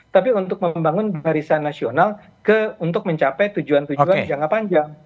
tapi untuk membangun barisan nasional untuk mencapai tujuan tujuan jangka panjang